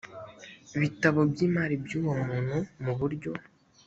bitabo by imari by uwo muntu mu buryo